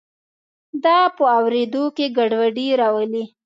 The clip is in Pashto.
دا په اوریدو کې ګډوډي راولي.